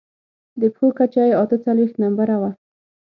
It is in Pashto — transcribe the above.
د پښو کچه يې اته څلوېښت نمبره وه.